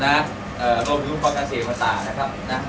นะฮะนะฮะเอ่อรวมถึงพลังการเซฟมันต่างนะครับนะฮะ